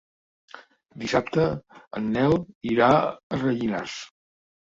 Dissabte en Nel irà a Rellinars.